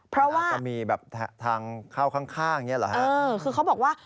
เพราะว่าจะมีแบบทางเข้าข้างอย่างนี้เหรอฮะเออคือเขาบอกว่า